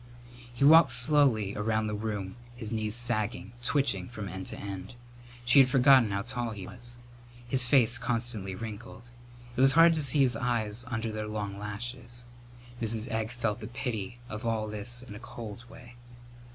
He walked slowly along the room, his knees sagging, twitching from end to end. She had forgotten how tall he was. His face constantly wrinkled. It was hard to see his eyes under their long lashes. Mrs. Egg felt the pity of all this in a cold way.